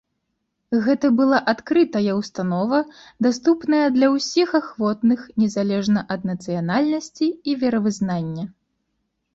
Гэта была адкрыта ўстанова, даступная для ўсіх ахвотных незалежна ад нацыянальнасці і веравызнання.